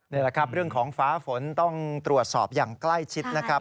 นี่แหละครับเรื่องของฟ้าฝนต้องตรวจสอบอย่างใกล้ชิดนะครับ